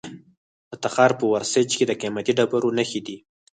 د تخار په ورسج کې د قیمتي ډبرو نښې دي.